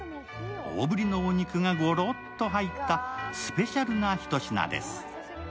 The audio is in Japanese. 大ぶりのお肉がごろっと入ったスペシャルなひと品です。